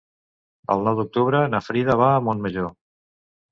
El nou d'octubre na Frida va a Montmajor.